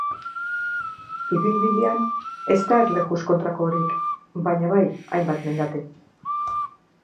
Ibilbidean ez da erlojuz kontrakorik baina bai hainbat mendate.